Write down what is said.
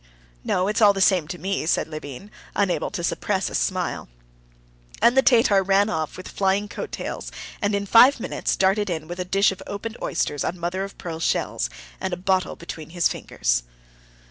"No, it's all the same to me," said Levin, unable to suppress a smile. And the Tatar ran off with flying coat tails, and in five minutes darted in with a dish of opened oysters on mother of pearl shells, and a bottle between his fingers.